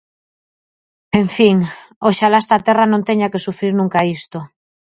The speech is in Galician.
En fin, oxalá esta terra non teña que sufrir nunca isto.